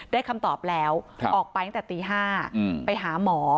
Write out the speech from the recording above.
คำตอบแล้วออกไปตั้งแต่ตี๕ไปหาหมอ